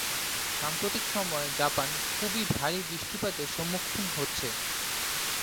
সাম্প্রতিক সময়ে জাপান খুবই ভারী বৃষ্টিপাতের সম্মুখীন হচ্ছে।